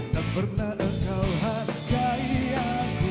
tak pernah engkau hargai aku